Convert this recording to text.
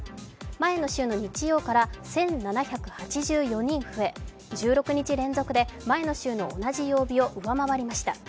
前の週の日曜から１７８４人増え１６日連続で前の週の同じ曜日を上回りました。